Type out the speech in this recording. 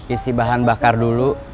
isi bahan bakar dulu